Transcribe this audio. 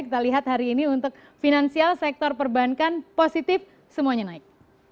kita lihat hari ini untuk finansial sektor perbankan positif semuanya naik